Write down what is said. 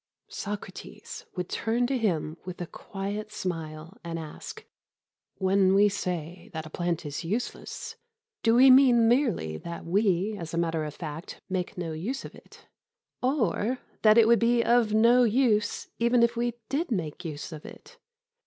Socrates would turn to him with a quiet smile and ask: "When we say that a plant is useless, do we mean merely that we as a matter of fact make no use of it, or that it would be of no use even if we did make use of it?"